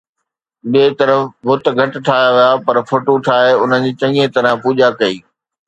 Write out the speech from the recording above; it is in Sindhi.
ٻئي طرف بت گهٽ ٺاهيا ويا، پر فوٽو ٺاهي انهن جي چڱيءَ طرح پوڄا ڪئي